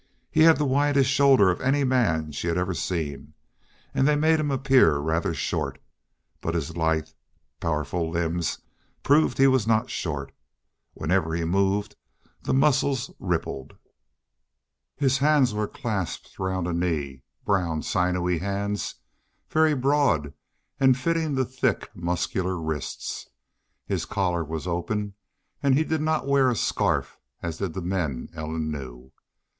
He had the widest shoulders of any man she had ever seen, and they made him appear rather short. But his lithe, powerful limbs proved he was not short. Whenever he moved the muscles rippled. His hands were clasped round a knee brown, sinewy hands, very broad, and fitting the thick muscular wrists. His collar was open, and he did not wear a scarf, as did the men Ellen knew.